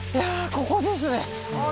ここですね